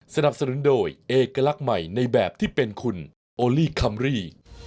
สนับสนุนโดยเอกลักษณ์ใหม่ในแบบที่เป็นคุณโอลี่คัมรี่